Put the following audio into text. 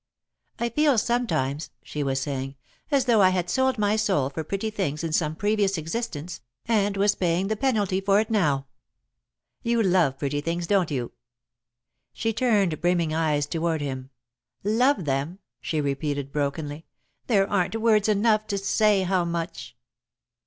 "I feel sometimes," she was saying, "as though I had sold my soul for pretty things in some previous existence, and was paying the penalty for it now." "You love pretty things, don't you?" She turned brimming eyes toward him. "Love them?" she repeated, brokenly. "There aren't words enough to say how much!"